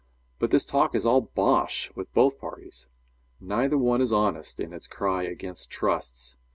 But this talk is all bosh with both parties. Neither one is honest in its cry against trusts.